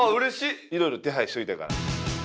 いろいろ手配しておいたから。